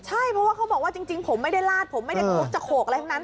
ใช่เพราะว่าเขาบอกว่าจริงผมไม่ได้ลาดผมไม่ได้จะโขกอะไรทั้งนั้น